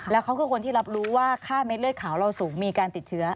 แล้วเขาคือคนที่รับรู้ว่าค่าเม็ดเลือดขาวเราสูงมีการติดเชื้อ